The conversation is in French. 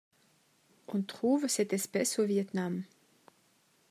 On trouve cette espèce au Vietnam.